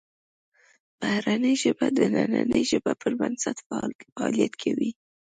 بهرنۍ ژبه د دنننۍ ژبې پر بنسټ فعالیت کوي